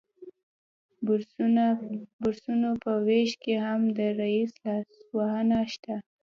د بورسونو په ویش کې هم د رییس لاسوهنه شته